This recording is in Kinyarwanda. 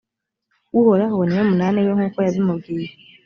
uhoraho ni we munani we nk’uko yabimubwiye.